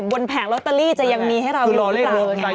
บนแผงรอตเตอรี่จะยังมีให้เราอยู่อีกหลัง